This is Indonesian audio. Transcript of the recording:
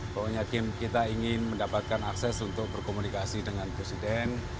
pokoknya kita ingin mendapatkan akses untuk berkomunikasi dengan presiden